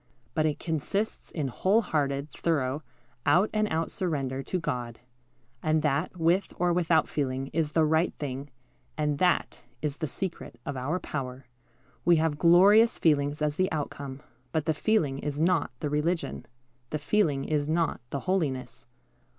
But it consists in whole hearted, thorough, out and out surrender to God; and that, with or without feeling, is the right thing, and that is the secret of our power. We have glorious feelings as the outcome; but the feeling is not the religion the feeling is not the holiness.